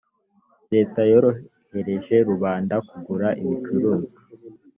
leta yorohereje rubanda kugura ibicuruzwa